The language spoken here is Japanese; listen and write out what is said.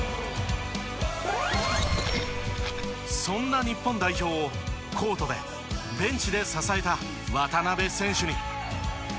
そんな日本代表をコートでベンチで支えた渡邊選手に。